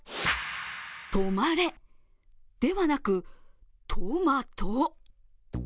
「トマレ」ではなく「トマト」？